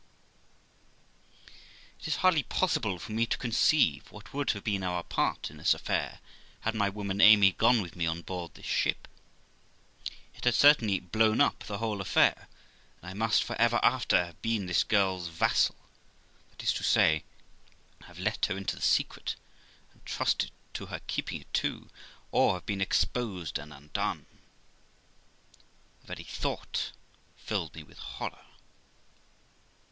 It is hardly possible for me to conceive what would have been our part in this affair had my woman Amy gone with me on board this ship; it had certainly blown up the whole affair, and I must for ever after have been this girl's vassal, that is to say, have let her into the secret, and 360 THE LIFE OF ROXANA trusted to her keeping it too, or have been exposed and undone. The very thought filled me with horror.